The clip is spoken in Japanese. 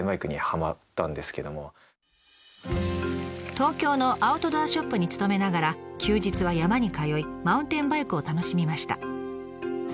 東京のアウトドアショップに勤めながら休日は山に通いマウンテンバイクを楽しみました。